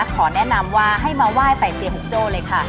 ขอแนะนำว่าให้มาไหว้ใส่เซียหุกโจ้เลยค่ะ